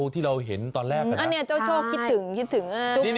ที่เราเห็นตอนแรกค่ะอันนี้เจ้าโชคคิดถึง